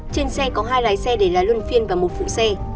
trên xe có hai lái xe để là luân phiên và một phụ xe